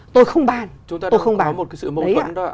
tôi không bàn